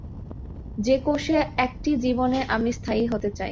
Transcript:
যে-কোশে একটি জীবনে আমি স্থায়ী হতে চাই।